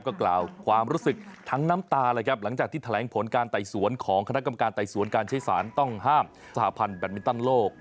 ก็กล่าวความรู้สึกทั้งน้ำตาเลยครับหลังจากที่แถลงผลการไต่สวนของคณะกรรมการไต่สวนการใช้สารต้องห้ามสหพันธ์แบตมินตันโลก